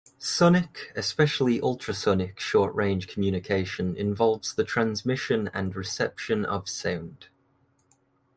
Sonic, especially ultrasonic short range communication involves the transmission and reception of sound.